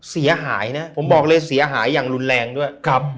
เสียหายนะผมบอกเลยเสียหายอย่างรุนแรงด้วยครับ